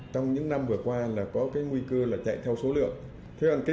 trong những năm vừa qua có nguy cơ chạy theo số lượng